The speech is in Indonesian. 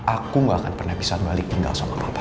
aku gak akan pernah bisa balik tinggal sama bapak